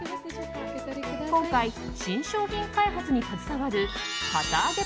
今回、新商品開発に携わる堅あげ